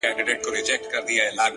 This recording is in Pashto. چي يوه لپه ښكلا يې راته راكړه،